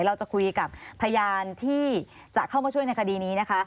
เราจะคุยกับพยานที่จะเข้ามาช่วยในคดีนี้นะคะ